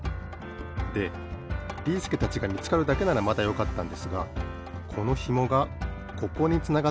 でビーすけたちがみつかるだけならまだよかったんですがこのひもがここにつながってるんですよね。